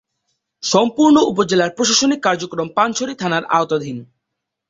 সম্পূর্ণ উপজেলার প্রশাসনিক কার্যক্রম পানছড়ি থানার আওতাধীন।